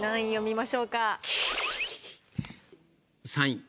３位。